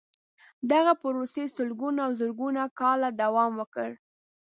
دغې پروسې سلګونه او زرګونه کاله دوام وکړ.